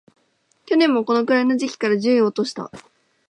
去年もこのくらいの時期から順位を落とした